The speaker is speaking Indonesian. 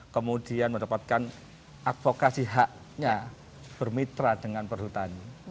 kemudian mendapatkan advokasi haknya bermitra dengan perhutani